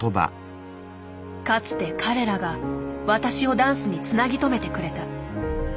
かつて彼らが私をダンスにつなぎとめてくれた。